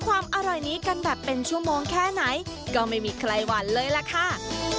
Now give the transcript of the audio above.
ความอร่อยนี้กันแบบเป็นชั่วโมงแค่ไหนก็ไม่มีใครหวั่นเลยล่ะค่ะ